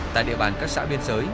tại địa bàn các xã biên giới